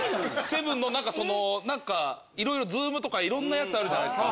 ７の何かその何か色々Ｚｏｏｍとか色んなやつあるじゃないですか。